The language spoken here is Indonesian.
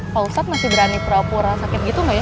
polsat masih berani pura pura sakit gitu gak ya